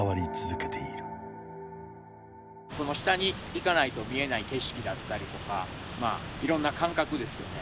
下に行かないと見えない景色だったりとかいろんな感覚ですよね。